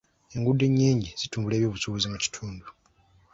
Enguudo ennungi zitumbula eby'obusuubuzi mu kitundu.